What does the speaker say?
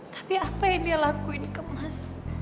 tapi apa yang dia lakuin ke mas